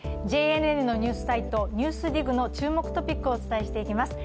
ＪＮＮのニュースサイト、「ＮＥＷＳＤＩＧ」の注目トピックをお伝えしていきます。